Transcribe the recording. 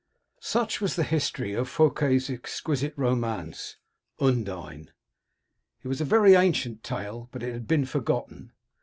Such was the history of Fouque's exquisite romance. Undine. It was a very ancient tale, but it had been forgotten.